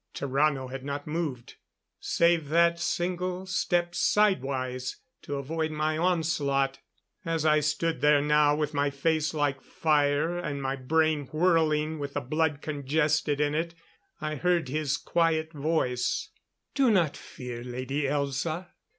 Tarrano had not moved, save that single step side wise to avoid my onslaught. As I stood there now with my face like fire and my brain whirling with the blood congested in it, I heard his quiet voice: "Do not fear, Lady Elza.